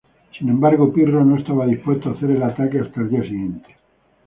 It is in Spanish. Sin embargo, Pirro no estaba dispuesto a hacer el ataque hasta el día siguiente.